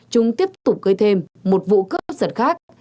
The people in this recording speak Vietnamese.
chúng tiếp tục gây thêm một vụ cướp giật khác